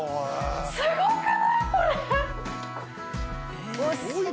すごくない？